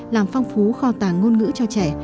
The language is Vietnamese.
làm phong phú kho tàng ngôn ngữ cho trẻ